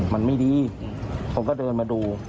มันไม่ดีผมก็เดินมาดู